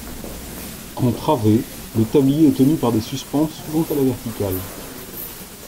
En travée, le tablier est tenu par des suspentes souvent à la verticale.